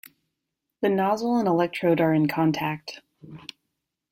The nozzle and electrode are in contact.